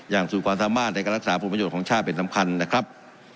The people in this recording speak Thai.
สุดความสามารถในการรักษาผลประโยชน์ของชาติเป็นสำคัญนะครับ